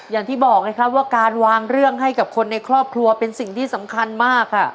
อย่างที่บอกนะครับว่าการวางเรื่องให้กับคนในครอบครัวเป็นสิ่งที่สำคัญมากค่ะ